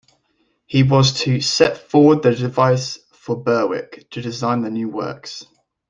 He was to "set forward the device for Berwick": to design the new works.